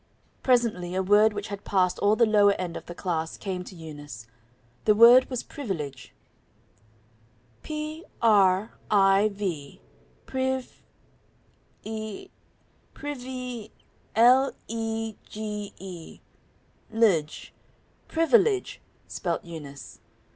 Presently a word which had passed all the lower end of the class, came to Eunice. The word was privilege. "P r i v, priv i, privi l e g e, lege, privilege," spelt Eunice.